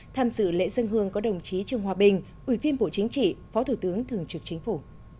tham dự lễ dân hương có đồng chí trương hòa bình ủy viên bộ chính trị phó thủ tướng thường trực chính phủ